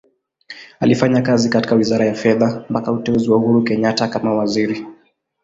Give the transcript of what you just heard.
Alifanya kazi katika Wizara ya Fedha mpaka uteuzi wa Uhuru Kenyatta kama Waziri.